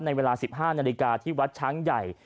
ในเวลา๑๕นาฬิกาที่วัดช้างใหญ่